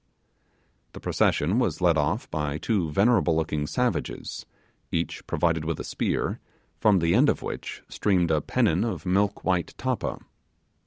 The procession was led off by two venerable looking savages, each provided with a spear, from the end of which streamed a pennon of milk white tappa.